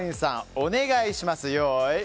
お願いします。